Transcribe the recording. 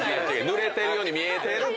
ぬれてるように見えてるパーマ。